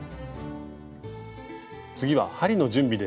次は針の準備です。